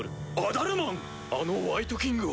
あのワイトキングを。